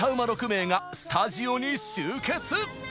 ６名がスタジオに集結！